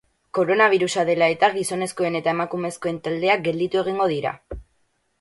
Koronabirusa dela eta gizonezkoen eta emakumezkoen taldeak gelditu egingo dira.